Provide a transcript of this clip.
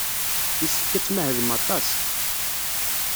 Yessefk ad tmahlem aṭas.